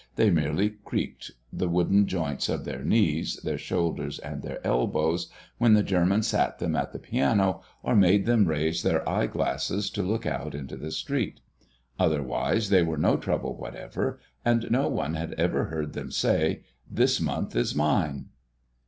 They merely creaked the wooden joints of their knees, their shoulders, and their elbows, when the German sat them at the piano or made them raise their eyeglasses to look out into the street. Otherwise they were no trouble whatever, and no one had ever heard them say, "This month is mine."